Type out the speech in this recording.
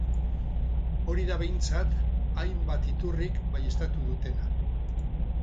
Hori da behintzat hainbat iturrik baieztatu dutena.